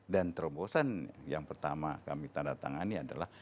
dan terobosan yang pertama kami tanda tangan ini adalah